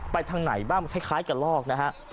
ทางไหนบ้างคล้ายกับลอกนะฮะ